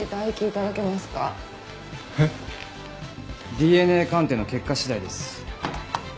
ＤＮＡ鑑定の結果次第です。